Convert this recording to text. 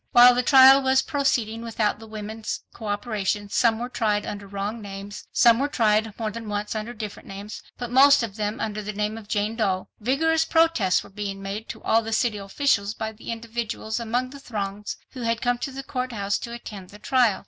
While the trial was proceeding without the women's cooperation,—some were tried under wrong names, some were tried more than once under different names, but most of them under the name of Jane Doe—vigorous protests were being made to all the city officials by individuals among the throngs who had come to the court house to attend the trial.